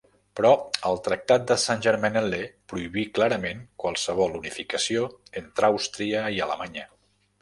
Però el Tractat de Saint-Germain-en-Laye prohibí clarament qualsevol unificació entre Àustria i Alemanya.